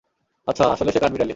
আচ্ছা, আসলে সে কাঠবিড়ালী।